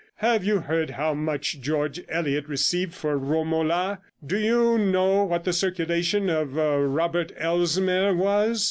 Have you heard how much George Eliot received for Romola! Do you know what the circulation of Robert Elsmere was?